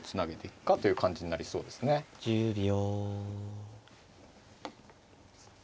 １０秒。